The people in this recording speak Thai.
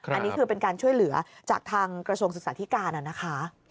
อันนี้คือเป็นการช่วยเหลือจากทางกระทรวงศึกษาธิการนะคะ